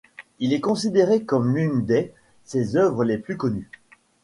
Il est considéré comme l'une des ses œuvres les plus connues.